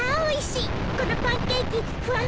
このパンケーキふわふわだわ！